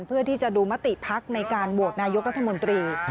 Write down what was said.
เพื่อที่จะดูมติพักในการโหวตนายกรัฐมนตรี